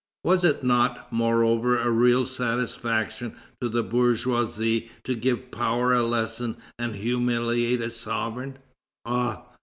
Was it not, moreover, a real satisfaction to the bourgeoisie to give power a lesson and humiliate a sovereign? Ah!